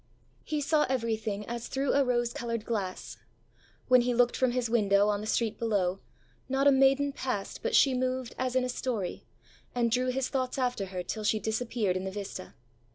He saw everything as through a rose coloured glass. When he looked from his window on the street below, not a maiden passed but she moved as in a story, and drew his thoughts after her till she disappeared in the vista.